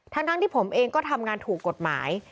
ทั้งที่ผมเองก็ทำงานถูกกฎหมาย